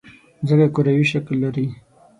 مځکه کروي شکل لري.